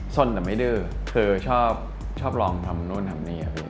สนแต่ไม่ดื้อคือชอบลองทำนู่นทำนี่ครับพี่